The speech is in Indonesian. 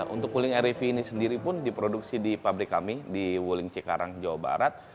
untuk wuling rev ini sendiri pun diproduksi di pabrik kami di wuling cikarang jawa barat